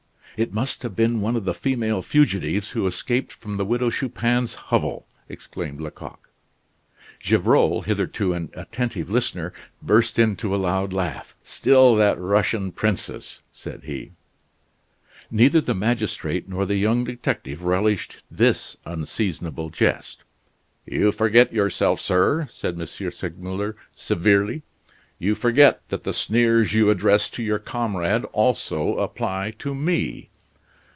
"It must have been one of the female fugitives who escaped from the Widow Chupin's hovel," exclaimed Lecoq. Gevrol, hitherto an attentive listener, burst into a loud laugh. "Still that Russian princess," said he. Neither the magistrate nor the young detective relished this unseasonable jest. "You forget yourself, sir," said M. Segmuller severely. "You forget that the sneers you address to your comrade also apply to me!"